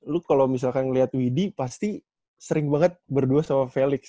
lu kalau misalkan ngelihat widdy pasti sering banget berdua sama felix